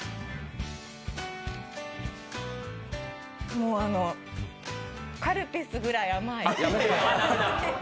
もう、あのカルピスぐらい甘い。